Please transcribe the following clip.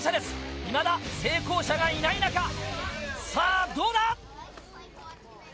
いまだ成功者がいない中さぁどうだ？